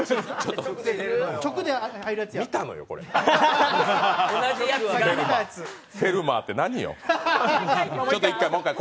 見たのよ、フェルマーって何よ。